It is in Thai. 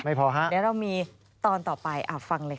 เดี๋ยวเรามีตอนต่อไปฟังเลยค่ะ